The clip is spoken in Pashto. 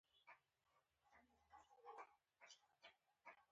دا هغه ته لوی ویاړ او عزت و.